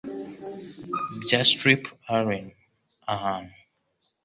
bya strip aline ahantu